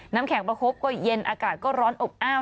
น้ำแข็งประคบก็เย็นอากาศก็ร้อนอบอ้าว